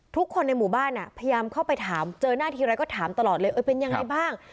ทุกคนในหมู่บ้านพยายามเข้าไปถามเจอหน้าทีไรก็ถามตลอดเลยเป็นยังไงบ้าง